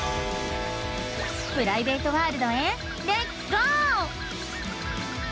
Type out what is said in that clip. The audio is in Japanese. プライベートワールドへレッツゴー！